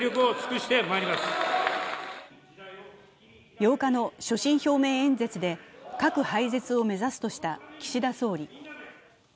８日の所信表明演説で核廃絶を目指すとした岸田総理。